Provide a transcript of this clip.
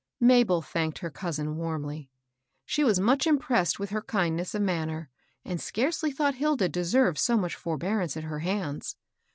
Mabel thanked her cousin warmly. She was much impressed with her kindness of manner, and scarcely thought Hilda deserved so much forbear ance at her hands.